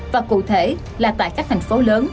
và cụ thể là tại các thành phố lớn